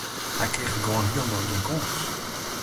Hy kriget gewoan hielendal gjin kâns.